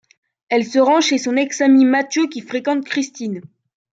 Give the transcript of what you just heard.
Elle se rend chez son ex-ami Mathieu qui fréquente Christine.